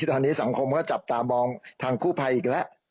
ตอนนี้สังคมก็จับตามองทางกู้ภัยอีกแล้ว